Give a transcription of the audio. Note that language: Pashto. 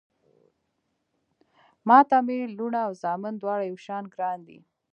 ما ته مې لوڼه او زامن دواړه يو شان ګران دي